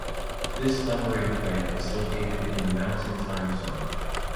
This numbering plan area is located in the Mountain Time Zone.